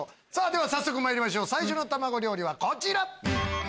では早速まいりましょう最初のたまご料理はこちら！